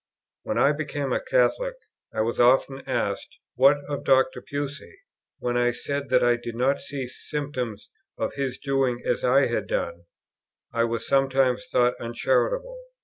When I became a Catholic, I was often asked, "What of Dr. Pusey?"; when I said that I did not see symptoms of his doing as I had done, I was sometimes thought uncharitable.